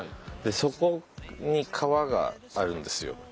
でそこに川があるんですよ